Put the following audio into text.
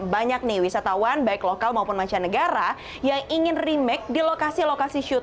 banyak nih wisatawan baik lokal maupun mancanegara yang ingin remake di lokasi lokasi syuting